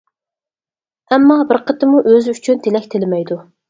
ئەمما بىر قېتىممۇ ئۆزى ئۈچۈن تىلەك تىلىمەيدۇ.